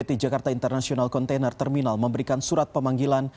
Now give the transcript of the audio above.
pt jakarta international container terminal memberikan surat pemanggilan